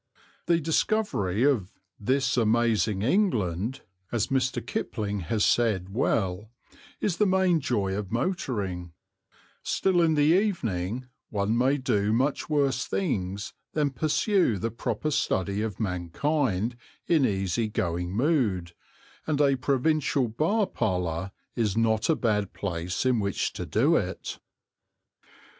The discovery of "this amazing England," as Mr. Kipling has said well, is the main joy of motoring; still in the evening one may do much worse things than pursue the proper study of mankind in easy going mood, and a provincial bar parlour is not a bad place in which to do it.